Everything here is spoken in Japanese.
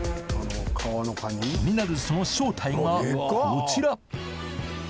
気になるその正体がこちら！